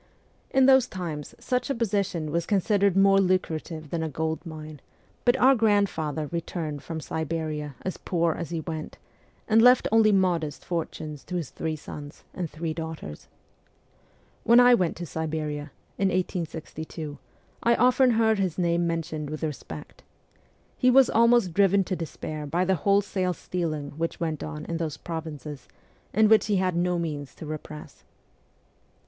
In those times such a position was con sidered more lucrative than a gold mine, but our grand father returned from Siberia as poor as he went, and left only modest fortunes to his three sons and three daugh ters. When I went to Siberia, in 1862, I often heard his name mentioned with respect. He was almost driven to despair by the wholesale stealing which went on in those provinces, and which he had no means to repress.